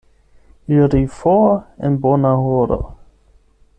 Iri for en bona horo.